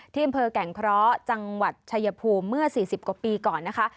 อำเภอแก่งเคราะห์จังหวัดชายภูมิเมื่อ๔๐กว่าปีก่อนนะคะ